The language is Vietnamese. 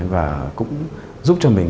và cũng giúp cho mình